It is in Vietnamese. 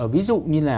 ví dụ như là